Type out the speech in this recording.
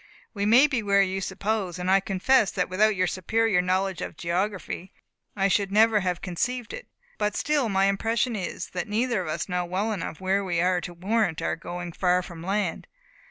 We may be where you suppose; and I confess that without your superior knowledge of geography I should never have conceived it; but still my impression is, that neither of us know well enough where we are to warrant our going far from land.